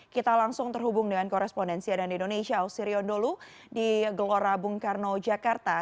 kita langsung terhubung dengan korespondensi adan indonesia ausirion dulu di gelora bung karno jakarta